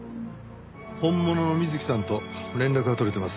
本物の美月さんと連絡が取れてます。